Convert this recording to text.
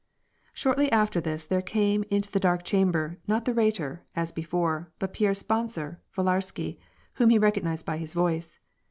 Shortly after this, there came into the dark chamber, not the Rhetor, as before, but Pierre's sponsor, Villarsky, whom he recognized by his voice.